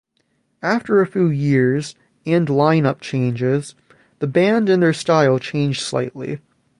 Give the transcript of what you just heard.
After a few years and lineup changes, the band and their style changed slightly.